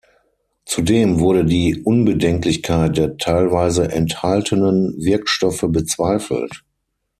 Zudem wurde die Unbedenklichkeit der teilweise enthaltenen Wirkstoffe bezweifelt.